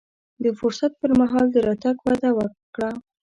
د فرصت پر مهال د راتګ وعده وکړه.